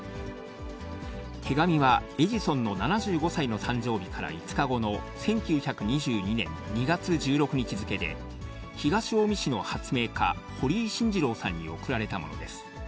手紙はエジソンの７５歳の誕生日から５日後の１９２２年２月１６日付で、東近江市の発明家、堀井新治郎さんに送られたものです。